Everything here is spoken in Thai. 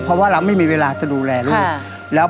เพราะว่าลำไม่มีเวลาที่ดูแลเลย